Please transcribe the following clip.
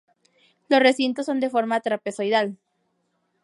Los recintos son de forma trapezoidal.